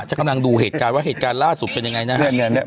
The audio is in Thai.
จะกำลังดูเหตุการณ์ว่าเหตุการณ์ล่าสุดเป็นยังไงนะครับเนี้ยเนี้ยเนี้ย